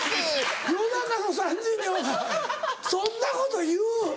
夜中の３時にお前そんなこと言う？